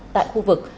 tại khu vực